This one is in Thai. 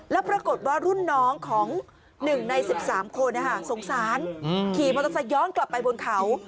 แล้วปรากฏว่ารุ่นน้องของ๑ใน๑๓คนสงสารขี่มอเตอร์ไซค์ย้อนกลับไปบนเขา